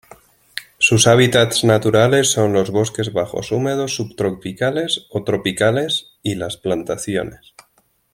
Sus hábitats naturales son los bosques bajos húmedos subtropicales o tropicales y las plantaciones.